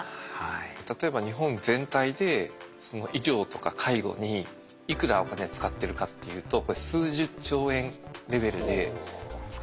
例えば日本全体で医療とか介護にいくらお金使ってるかっていうと数十兆円レベルで使ってるわけなんでそれから比べると